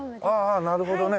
あっなるほどね。